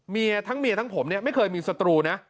ทั้งเมียทั้งผมเนี่ยไม่เคยมีศัตรูนะ